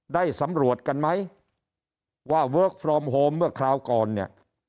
ได้สำรวจกันไหมว่าเวิร์คฟอร์มโฮมเมื่อคราวก่อนเนี่ย